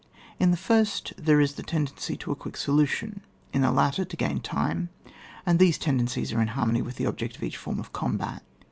In the first there is the tendency to a quick solution, in the latter to gain time, and these tendencies are in harmony with the object of each form of combat.